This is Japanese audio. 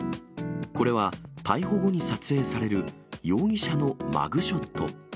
これは逮捕後に撮影される、容疑者のマグショット。